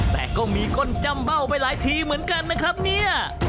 แต่ก็มีก้นจำเบ้าไปหลายทีเหมือนกันนะครับเนี่ย